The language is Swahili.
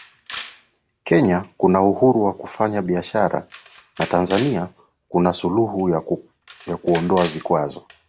Kenya kuna uhuru wa kufanya biashara na Tanzania kuna suluhu ya kuondoa vikwazo